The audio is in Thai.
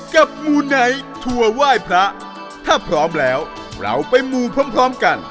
มูไนท์ทัวร์ไหว้พระถ้าพร้อมแล้วเราไปมูพร้อมพร้อมกัน